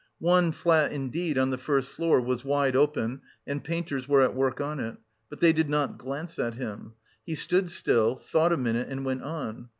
One flat indeed on the first floor was wide open and painters were at work in it, but they did not glance at him. He stood still, thought a minute and went on.